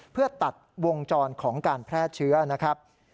เพื่อตัดวงจรของการแพร่เชื้อนะครับ